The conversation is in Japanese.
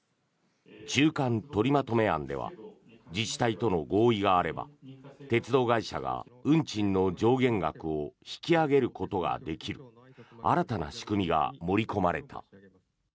中間取りまとめ案では自治体との合意があれば鉄道会社が運賃の上限額を引き上げることができる新たな仕組みが盛り込まれた。